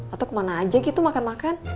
atau kemana aja gitu makan makan